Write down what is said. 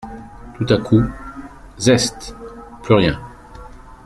Tout à coup… zeste ! plus rien.